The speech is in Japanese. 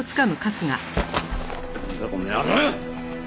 なんだこの野郎！